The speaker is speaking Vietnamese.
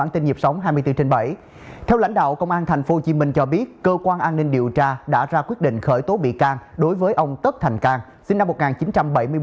theo lãnh đạo công an tp hcm cho biết cơ quan an ninh điều tra đã ra quyết định khởi tố bị can đối với ông tất thành cang sinh năm một nghìn chín trăm bảy mươi một